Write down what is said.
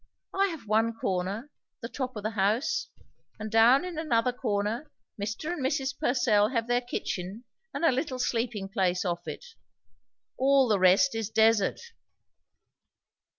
I have one corner, at the top of the house; and down in another corner Mr. and Mrs. Purcell have their kitchen and a little sleeping place off it; all the rest is desert."